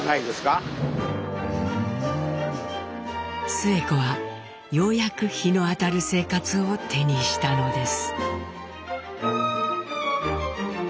スエ子はようやく日の当たる生活を手にしたのです。